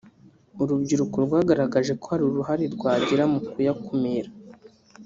urubyiruko rwagaragaje ko hari uruhare rwagira mu kuyakumira